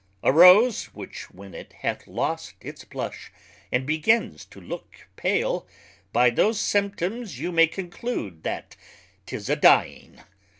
A Rose, when it hath lost its blush, and begins to look pale, by those symptoms you may conclude that 'tis a dying.